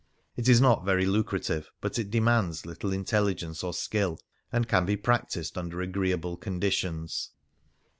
It is not very lucra tive, but it demands little intelligence or skill, and can be practised under agreeable condi 140 Varia tions.